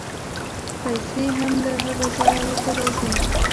پیسې هم له هغه ځایه ورته راځي.